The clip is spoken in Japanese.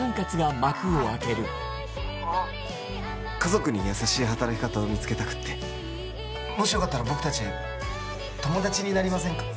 ああっあっ家族に優しい働き方を見つけたくってもしよかったら僕達友達になりませんか？